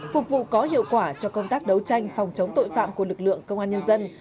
phục vụ có hiệu quả cho công tác đấu tranh phòng chống tội phạm của lực lượng công an nhân dân